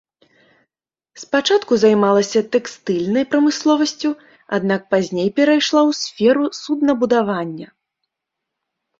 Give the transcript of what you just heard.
Спачатку займалася тэкстыльнай прамысловасцю, аднак пазней перайшла ў сферу суднабудавання.